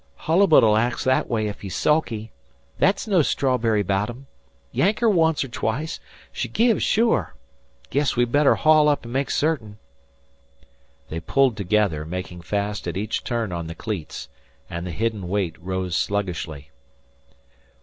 "Hollbut'll act that way 'f he's sulky. Thet's no strawberry bottom. Yank her once or twice. She gives, sure. Guess we'd better haul up an' make certain." They pulled together, making fast at each turn on the cleats, and the hidden weight rose sluggishly.